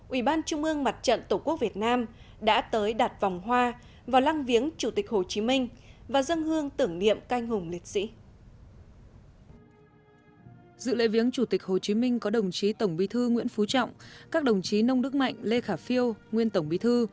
ủy ban trung ương mặt trận tổ quốc việt nam đã tới đặt vòng hoa vào lăng viếng chủ tịch hồ chí minh và dâng hương tưởng niệm cai ngùng liệt sĩ